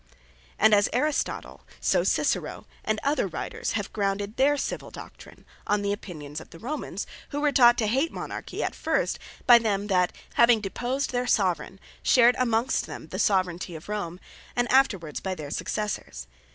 And as Aristotle; so Cicero, and other Writers have grounded their Civill doctrine, on the opinions of the Romans, who were taught to hate Monarchy, at first, by them that having deposed their Soveraign, shared amongst them the Soveraignty of Rome; and afterwards by their Successors.